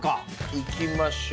いきましょう。